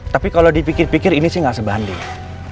tapi kalo dipikir pikir ini sih gak sebanding